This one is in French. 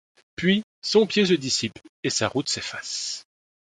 Puis son pied se dissipe et sa route s’efface ;